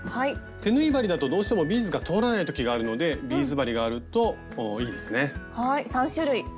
手縫い針だとどうしてもビーズが通らない時があるのでビーズ針があるといいですね。